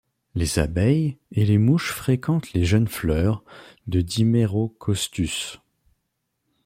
Les abeilles et les mouches fréquentent les jeunes fleurs de Dimerocostus.